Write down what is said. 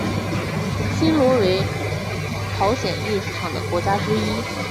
新罗为朝鲜历史上的国家之一。